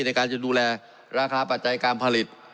ในการจะดูแลราคาปัจจัยการผลิต